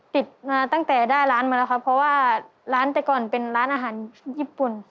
ติดมาตั้งแต่ได้ร้านมาแล้วครับเพราะว่าร้านแต่ก่อนเป็นร้านอาหารญี่ปุ่น